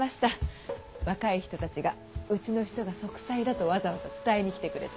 若い人たちがうちの人が息災だとわざわざ伝えに来てくれて。